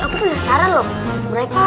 waalaikumsalam warahmatullahi wabarakatuh